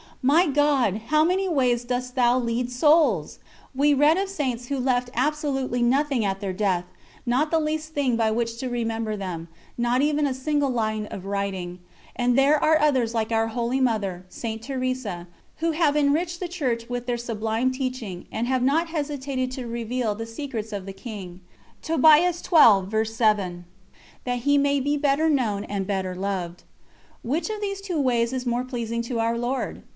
My God, how many ways dost Thou lead souls! We read of Saints who left absolutely nothing at their death, not the least thing by which to remember them, not even a single line of writing; and there are others like our holy Mother, St. Teresa, who have enriched the Church with their sublime teaching, and have not hesitated to reveal "the secrets of the King," that He may be better known and better loved. Which of these two ways is more pleasing to Our Lord?